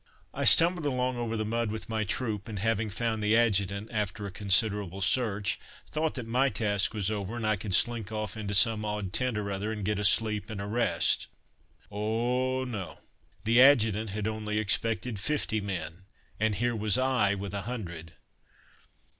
I stumbled along over the mud with my troupe, and having found the Adjutant, after a considerable search, thought that my task was over, and that I could slink off into some odd tent or other and get a sleep and a rest. Oh no! the Adjutant had only expected fifty men, and here was I with a hundred.